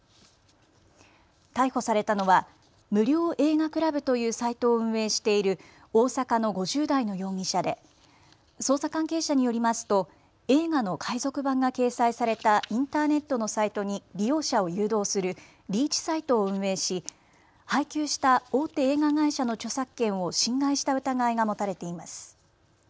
逮捕されたのは無料映画倶楽部というサイトを運営している大阪の５０代の容疑者で捜査関係者によりますと映画の海賊版が掲載されたインターネットのサイトに利用者を誘導するリーチサイトを運営し配給した大手映画会社の著作権を侵害した疑いが持たれています。